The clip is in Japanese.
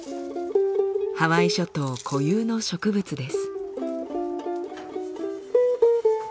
ハワイ諸島固有の植物です。